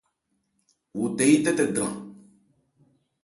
Wo tɛ yí tɛ́tɛ dran.